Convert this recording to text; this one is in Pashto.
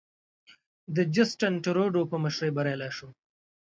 د جسټین ترودو په مشرۍ بریالی شو.